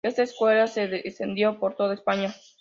Esta escuela se extendió por toda España.